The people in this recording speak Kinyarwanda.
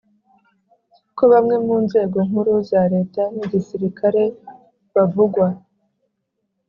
kobamwe mu nzego nkuru za leta n'igisirikare bavugwa